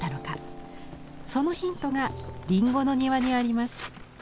そのヒントが林檎の庭にあります。